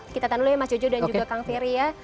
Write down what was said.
kita tahan dulu ya mas jojo dan juga kang ferry ya